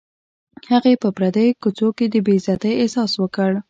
هغې په پردیو کوڅو کې د بې عزتۍ احساس وکړ